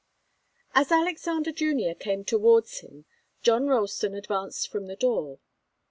As Alexander Junior came towards him, John Ralston advanced from the door.